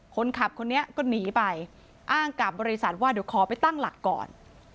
คนนี้ก็หนีไปอ้างกับบริษัทว่าเดี๋ยวขอไปตั้งหลักก่อน